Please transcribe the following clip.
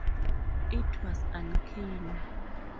It was uncanny.